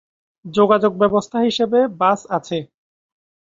যোগাযোগ ব্যবস্থা হিসেবে বাস আছে।